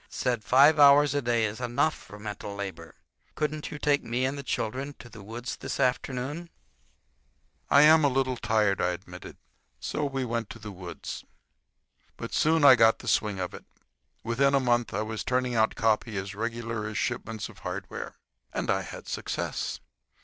—said five hours a day is enough for mental labor. Couldn't you take me and the children to the woods this afternoon?" "I am a little tired," I admitted. So we went to the woods. But I soon got the swing of it. Within a month I was turning out copy as regular as shipments of hardware. And I had success.